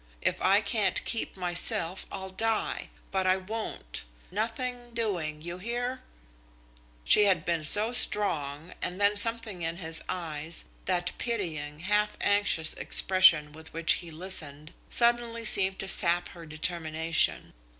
If I can't keep myself, I'll die, but I won't. Nothing doing. You hear?" She had been so strong and then something in his eyes, that pitying, half anxious expression with which he listened, suddenly seemed to sap her determination.